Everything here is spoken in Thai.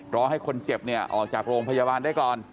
รอให้คนเจ็บเนี่ยออกจากโรงพยาบาลได้ก่อน